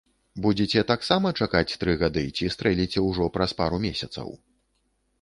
Будзеце таксама чакаць тры гады ці стрэліце ўжо праз пару месяцаў?